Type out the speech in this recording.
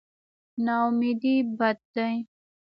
نااميدي بد دی.